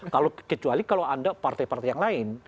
kecuali kalau ada partai partai yang lain